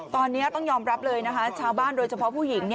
ตอนนี้ต้องยอมรับเลยนะคะชาวบ้านโดยเฉพาะผู้หญิง